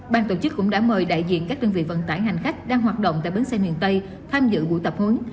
ban tổ chức cũng đã mời đại diện các đơn vị vận tải hành khách đang hoạt động tại bến xe miền tây tham dự buổi tập huấn